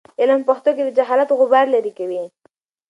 علم په پښتو کې د جهالت غبار لیرې کوي.